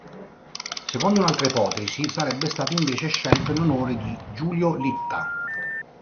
Secondo un'altra ipotesi sarebbe stato invece scelto in onore di Giulio Litta.